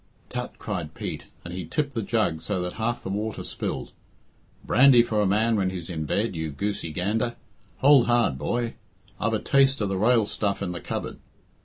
"Tut!" cried Pete, and he tipped the jug so that half the water spilled. "Brandy for a man when he's in bed, you goosey gander. Hould, hard, boy; I've a taste of the rael stuff in the cupboard.